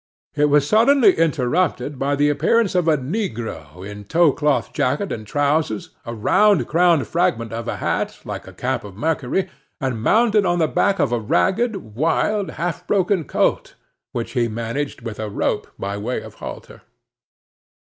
It was suddenly interrupted by the appearance of a negro in tow cloth jacket and trowsers, a round crowned fragment of a hat, like the cap of Mercury, and mounted on the back of a ragged, wild, half broken colt, which he managed with a rope by way of halter.